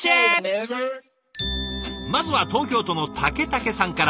まずは東京都のたけたけさんから。